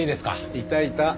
いたいた！